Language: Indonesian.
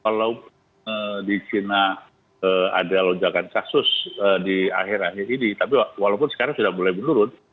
kalau di china ada lonjakan kasus di akhir akhir ini tapi walaupun sekarang sudah mulai menurun